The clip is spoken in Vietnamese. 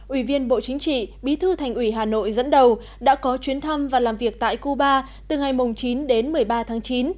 ủy viên bộ chính trị bí thư thành ủy hà nội dẫn đầu đã có chuyến thăm và làm việc tại cuba từ ngày chín đến một mươi ba tháng chín